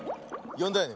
よんだよね？